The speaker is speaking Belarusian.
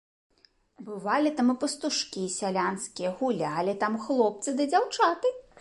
Бывалі там і пастушкі сялянскія, гулялі там хлопцы ды дзяўчаты.